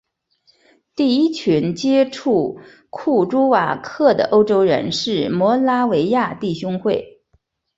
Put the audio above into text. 第一群接触库朱瓦克的欧洲人是摩拉维亚弟兄会。